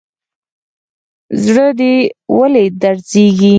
زړه دي ولي درزيږي.